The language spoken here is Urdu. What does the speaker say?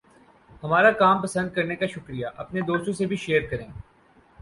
ہمارا کام پسند کرنے کا شکریہ! اپنے دوستوں سے بھی شیئر کریں۔